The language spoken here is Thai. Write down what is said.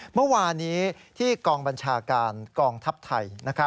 เมื่อวานี้ที่กองบัญชาการกองทัพไทย